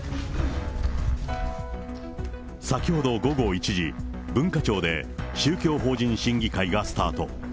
先ほど午後１時、文化庁で宗教法人審議会がスタート。